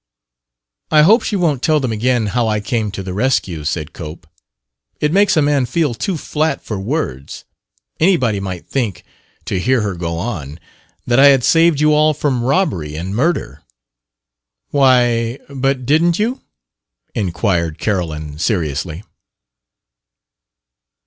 "I hope she won't tell them again how I came to the rescue," said Cope. "It makes a man feel too flat for words. Anybody might think, to hear her go on, that I had saved you all from robbery and murder...." "Why, but didn't you?" inquired Carolyn seriously.